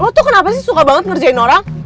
oh tuh kenapa sih suka banget ngerjain orang